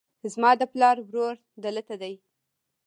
زما د پلار ورور دلته دی